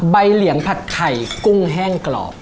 เหลียงผัดไข่กุ้งแห้งกรอบ